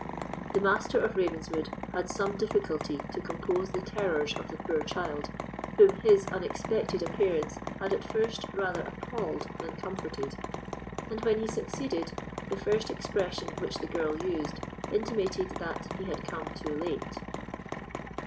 The Master of Ravenswood had some difficulty to compose the terrors of the poor child, whom his unexpected appearance had at first rather appalled than comforted; and when he succeeded, the first expression which the girl used intimated that "he had come too late."